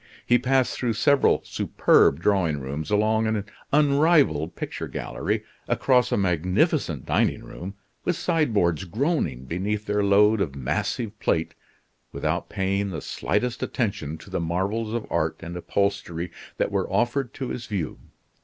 He passed through several superb drawing rooms, along an unrivaled picture gallery, across a magnificent dining room, with sideboards groaning beneath their load of massive plate, without paying the slightest attention to the marvels of art and upholstery that were offered to his view.